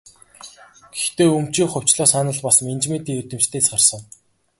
Гэхдээ өмчийг хувьчлах санал бас менежментийн эрдэмтдээс гарсан.